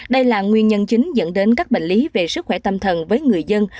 đây là nguyên nhân chính dẫn đến các bệnh lý về sức khỏe tâm thần với người dân